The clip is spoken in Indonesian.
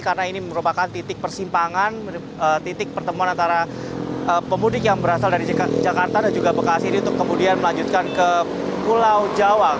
karena ini merupakan titik persimpangan titik pertemuan antara pemudik yang berasal dari jakarta dan juga bekasi ini untuk kemudian melanjutkan ke pulau jawa